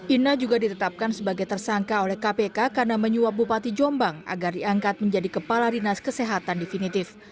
ina juga ditetapkan sebagai tersangka oleh kpk karena menyuap bupati jombang agar diangkat menjadi kepala dinas kesehatan definitif